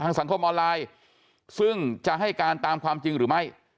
สังคมออนไลน์ซึ่งจะให้การตามความจริงหรือไม่